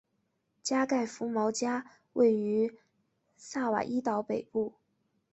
加盖福毛加位于萨瓦伊岛北部。